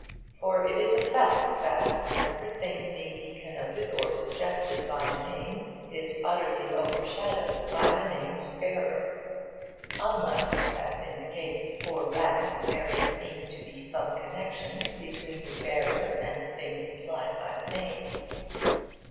For it is a fact that whatever thing may be connoted or suggested by a name is utterly overshadowed by the name's bearer (unless, as in the case of poor 'Ragg,' there is seen to be some connexion between the bearer and the thing implied by the name).